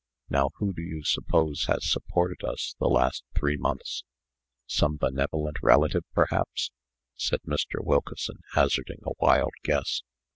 Now, who do you suppose has supported us the last three months?" "Some benevolent relative, perhaps," said Mr. Wilkeson, hazarding a wild guess.